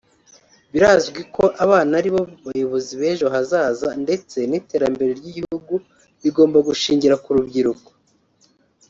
Birazwi ko abana aribo bayobozi b’ejo hazaza ndetse n’iterambere ry’ igihugu rigomba gushingira ku rubyiruko